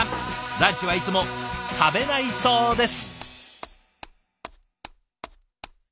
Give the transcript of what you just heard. ランチはいつも食べないそうです。